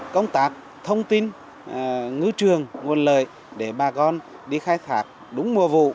công tác thông tin ngư trường nguồn lợi để bà con đi khai thác đúng mùa vụ